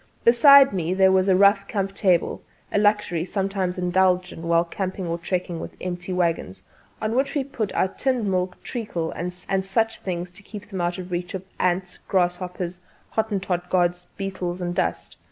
Beside me there was a rough camp table a luxury sometimes indulged in while camping or trekking with empty waggons on which we put our tinned milk, treacle and such things to keep them out of reach of the ants, grasshoppers, Hottentot gods, beetles and dust.